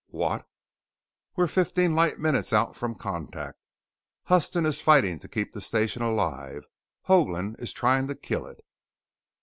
"What ?" "We're fifteen light minutes out from Contact. Huston is fighting to keep the Station alive; Hoagland is trying to kill it!"